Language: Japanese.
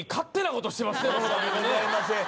申し訳ございません。